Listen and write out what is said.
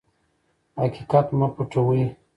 حقیقت مه پټوئ.